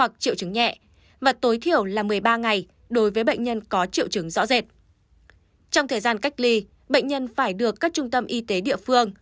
trong thời gian cách ly bệnh nhân phải được các trung tâm y tế địa phương